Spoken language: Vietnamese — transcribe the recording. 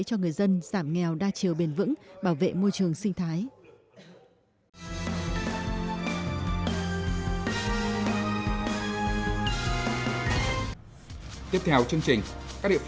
cho người dân giảm nghèo đa chiều bền vững bảo vệ môi trường sinh thái